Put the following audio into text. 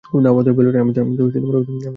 কুমুদ আহত হইয়া ভাবিল, আমি তো ওদের দেখিনি!